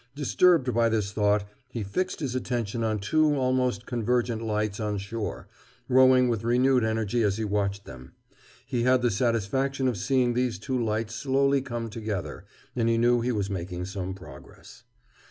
Disturbed by this thought, he fixed his attention on two almost convergent lights on shore, rowing with renewed energy as he watched them. He had the satisfaction of seeing these two lights slowly come together, and he knew he was making some progress.